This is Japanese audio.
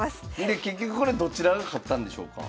で結局これどちらが勝ったんでしょうか？